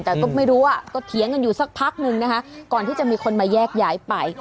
แต่ก็ไม่รู้อ่ะก็เถียงกันอยู่สักพักนึงนะคะก่อนที่จะมีคนมาแยกย้ายไป